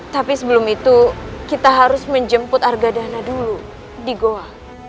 tapi sebelum itu kita harus menjemput argadana dulu di goa